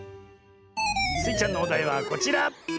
スイちゃんのおだいはこちら！